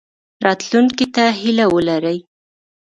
راتلونکي ته هیله ولرئ